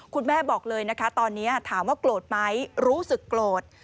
คุณแม่บอกเลยนะคะตอนนี้ถามว่าโกรธไหมรู้สึกโกรธ